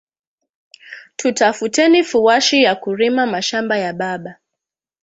Tutafuteni fuashi yaku rima mashamba ya baba